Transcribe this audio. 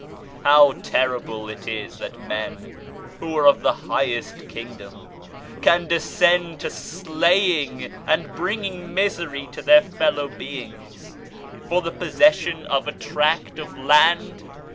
How terrible it is that men, who are of the higher king dom, can descend to slaying and bringing misery to their fellow beings, for the possession of a tract of land